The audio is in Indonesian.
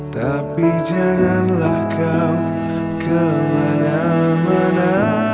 tapi janganlah kau kemana mana